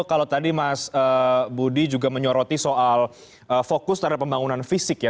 kalau tadi mas budi juga menyoroti soal fokus terhadap pembangunan fisik ya